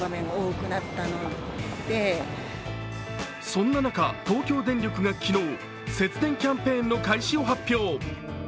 そんな中、東京電力が昨日、節電キャンペーンの開始を発表。